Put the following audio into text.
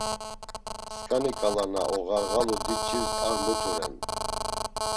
Skani ǩala na oğarğalu diç̌irs ar mutu ren.